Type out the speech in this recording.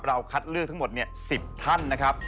คัดเลือกทั้งหมด๑๐ท่านนะครับ